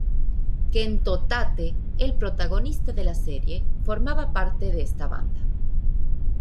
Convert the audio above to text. Kento Tate, el protagonista de la serie, formaba parte de esta banda.